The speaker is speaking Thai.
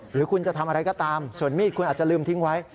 หรือคุณจะทำอะไรก็ตามส่วนมีดคุณอาจจะลืมทิ้งไว้